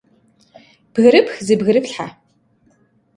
Bgırıpx zıbgırıflhhe!